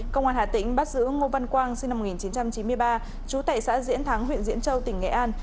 công an hà tĩnh bắt giữ ngô văn quang sinh năm một nghìn chín trăm chín mươi ba trú tại xã diễn thắng huyện diễn châu tỉnh nghệ an